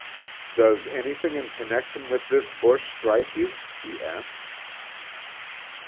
"Does anything in connection with this bush strike you?" he asked.